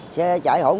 xe chạy hỗn rộng